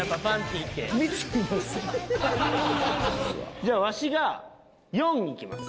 じゃあわしが４いきます。